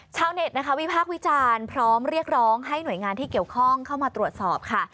ชาวเน็ตนะคะวิพากษ์วิจารณ์พร้อมเรียกร้องให้หน่วยงานที่เกี่ยวข้องเข้ามาตรวจสอบค่ะ